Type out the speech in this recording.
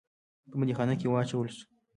په بندیخانه کې واچول سو.